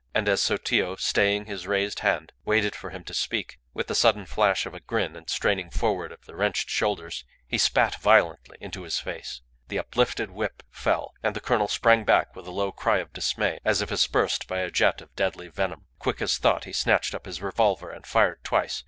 And as Sotillo, staying his raised hand, waited for him to speak, with the sudden flash of a grin and a straining forward of the wrenched shoulders, he spat violently into his face. The uplifted whip fell, and the colonel sprang back with a low cry of dismay, as if aspersed by a jet of deadly venom. Quick as thought he snatched up his revolver, and fired twice.